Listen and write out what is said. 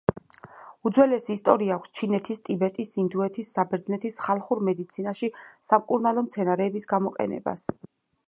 უძველესი ისტორია აქვს ჩინეთის, ტიბეტის, ინდოეთის, საბერძნეთის ხალხურ მედიცინაში სამკურნალო მცენარეების გამოყენებას.